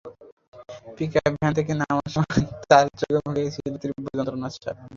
Pickup van থেকে নামার সময় তাঁর চোখে-মুখে ছিল তীব্র যন্ত্রণার ছাপ।